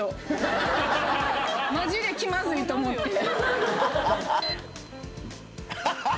マジで気まずいと思って。